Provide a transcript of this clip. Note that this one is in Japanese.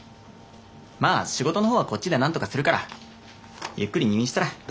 まあ仕事の方はこっちで何とかするからゆっくり入院したら。